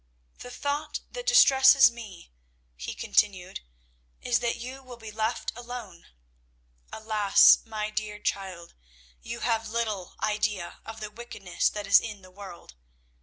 The thought that distresses me," he continued, "is that you will be left alone. Alas, my dear child, you have little idea of the wickedness that is in the world!